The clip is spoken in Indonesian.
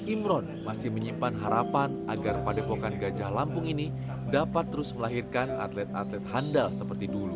imron masih menyimpan harapan agar padepokan gajah lampung ini dapat terus melahirkan atlet atlet handal seperti dulu